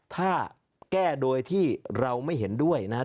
ถ้าแก้โดยที่เราไม่เห็นด้วยนะครับ